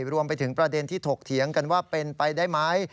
รวมไปถึงประเด็นที่ถกเถียงกันว่าเป็นไปได้ไหม